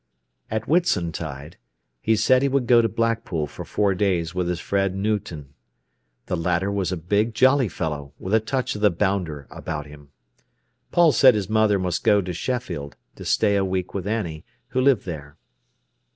At Whitsuntide he said he would go to Blackpool for four days with his friend Newton. The latter was a big, jolly fellow, with a touch of the bounder about him. Paul said his mother must go to Sheffield to stay a week with Annie, who lived there.